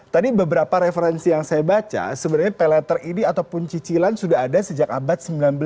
tadi beberapa referensi yang saya baca sebenarnya pay later ini ataupun cicilan sudah ada sejak abad sembilan belas